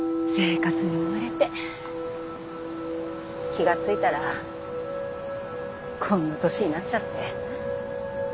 気が付いたらこんな年になっちゃって。